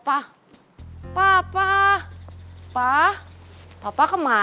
sebelum tuh pokoknya